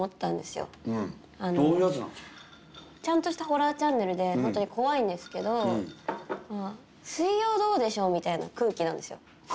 ちゃんとしたホラーチャンネルで本当に怖いんですけど「水曜どうでしょう」みたいな空気なんですよ。